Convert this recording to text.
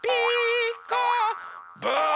ブー！